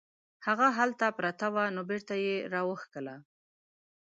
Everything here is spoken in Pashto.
هغه هلته پرته وه نو بیرته یې راوکښله.